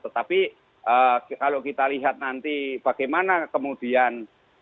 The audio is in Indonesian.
tetapi kalau kita lihat nanti bagaimana kemudian